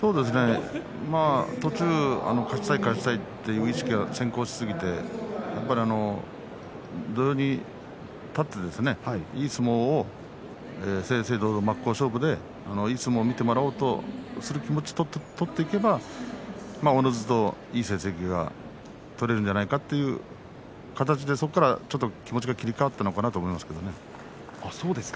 途中勝ちたい勝ちたいという意識が先行しすぎて土俵に立っていい相撲を正々堂々、真っ向勝負でいい相撲を見てもらおうとそういう気持ちで取ればおのずといい成績が取れるんじゃないかということでそこから気持ちが切り替わったんじゃないかと思いますよ。